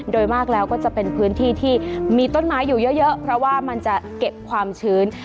โดยมากแล้วก็จะเป็นพื้นที่ที่มีต้นไม้อยู่เยอะเพราะว่ามันจะเก็บความชื้น